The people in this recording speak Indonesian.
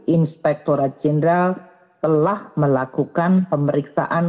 inspektora jenderal telah melakukan pemeriksaan